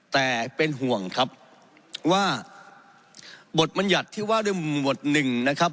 แต่เป็นห่วงครับว่าบทบรรยัติที่ว่าด้วยหมวดหนึ่งนะครับ